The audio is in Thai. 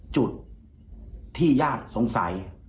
จุดที่ญาติสงสัย